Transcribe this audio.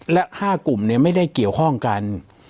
และ๕กลุ่มไม่ได้เกี่ยวข้องกัน